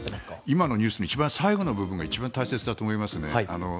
今のニュースの一番最後の部分が一番大切だと思いますね。